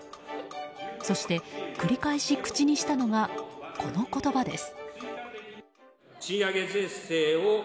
そして、繰り返し口にしたのがこの言葉です。